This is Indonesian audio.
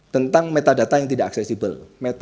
tentang metadata yang tidak aksesibel